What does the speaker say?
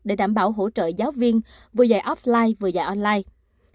để đảm bảo hỗ trợ giáo viên vừa dạy offline vừa dạy online